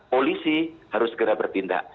polisi harus segera bertindak